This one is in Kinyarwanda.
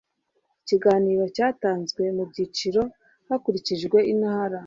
ikiganiro cyatanzwe mu byiciro hakurikijwe intara